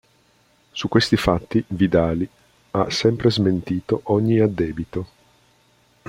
Su questi fatti Vidali ha sempre smentito ogni addebito.